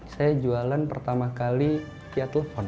saya jualan pertama kali via telepon